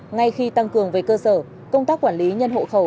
ngay khi tăng cường về cơ sở công tác quản lý nhân hộ khẩu